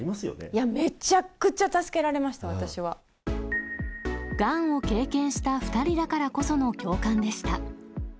いや、めちゃくちゃ助けられがんを経験した２人だからこその共感でした。